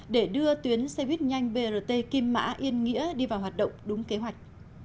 để đưa tuyến xe buýt nhanh brt kim mã yên nghĩa đi vào hoạt động đúng kế hoạch